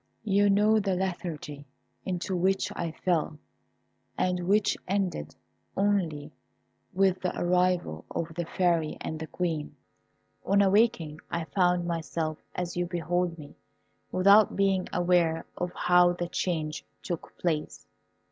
You know the lethargy into which I fell, and which ended only with the arrival of the Fairy and the Queen. On awaking I found myself as you behold me, without being aware of how the change took place.